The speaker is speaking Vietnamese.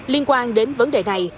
liên quan đến vấn đề này